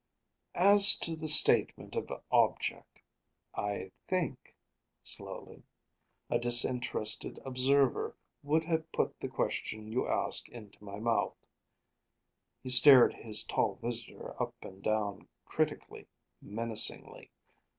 "As to the statement of object. I think" slowly "a disinterested observer would have put the question you ask into my mouth." He stared his tall visitor up and down critically, menacingly.